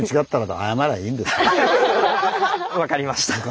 分かりました。